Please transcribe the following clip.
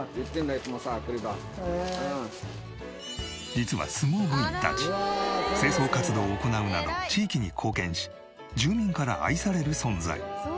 実は相撲部員たち清掃活動を行うなど地域に貢献し住民から愛される存在。